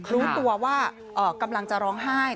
รู้ตัวว่ากำลังจะร้องไห้